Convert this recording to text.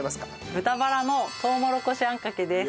豚バラのとうもろこしあんかけです。